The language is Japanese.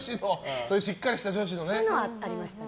そういうしっかりした女子のね。